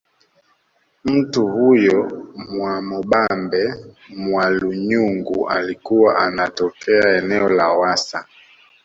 Mtu huyo Mwamubambe Mwalunyungu alikuwa anatokea eneo la Wassa